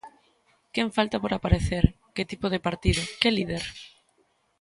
Quen falta por aparecer, que tipo de partido, que líder?